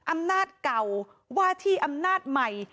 อำนาจเก่าว่าที่อำนาจใหม่